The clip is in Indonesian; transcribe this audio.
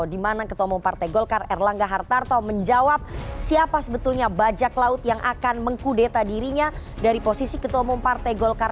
di mana ketua umum partai golkar erlangga hartarto menjawab siapa sebetulnya bajak laut yang akan mengkudeta dirinya dari posisi ketua umum partai golkar